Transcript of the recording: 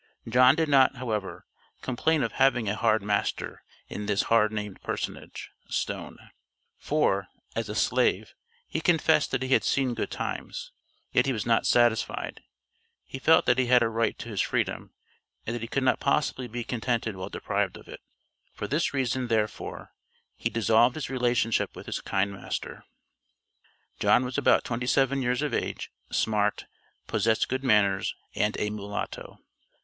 John did not, however, complain of having a hard master in this hard named personage, (Stone); for, as a slave, he confessed that he had seen good times. Yet he was not satisfied; he felt that he had a right to his freedom, and that he could not possibly be contented while deprived of it, for this reason, therefore, he dissolved his relationship with his kind master. John was about twenty seven years of age, smart, possessed good manners, and a mulatto.